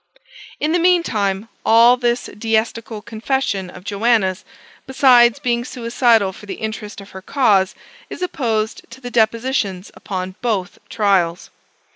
In the mean time, all this deistical confession of Joanna's, besides being suicidal for the interest of her cause, is opposed to the depositions upon both trials.